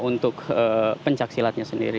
untuk pencaksilatnya sendiri